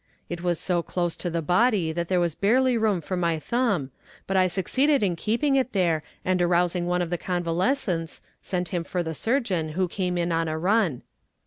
It was so close to the body that there was barely room for my thumb, but I succeeded in keeping it there, and arousing one of the convalescents, sent him for the surgeon, who came in on a run.